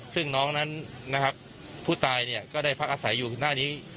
ซึ่งน้องนั้นนะครับผู้ตายก็ได้พักอาศัยอยู่หน้านี้